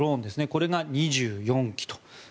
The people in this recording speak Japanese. これが２４機と。